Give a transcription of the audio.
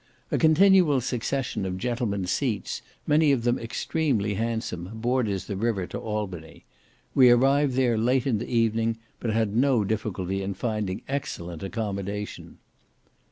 A continual succession of gentlemen's seats, many of them extremely handsome, borders the river to Albany. We arrived there late in the evening, but had no difficulty in finding excellent accommodation.